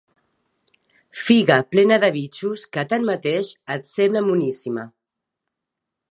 Figa plena de bitxos que, tanmateix, et sembla moníssima.